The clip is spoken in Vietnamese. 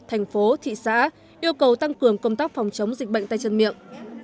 thành phố thị xã yêu cầu tăng cường công tác phòng chống dịch bệnh tay chân miệng